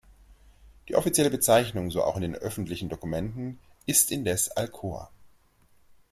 Die offizielle Bezeichnung, so auch in den öffentlichen Dokumenten, ist indes Alcoa.